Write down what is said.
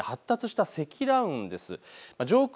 これ発達した積乱雲です。